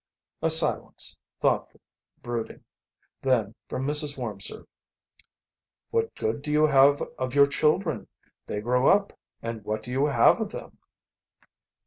A silence, thoughtful, brooding. Then, from Mrs. Wormser: "What good do you have of your children? They grow up, and what do you have of them?"